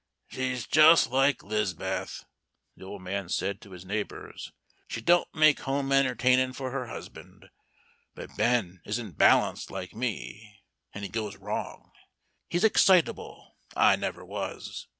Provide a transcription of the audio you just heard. "She's just like 'Liz'beth," the old man said to his neighbors; "she don't make home entertainin' for her husband. But Ben isn't balanced like me, and he goes wrong. He's excitable. I never was.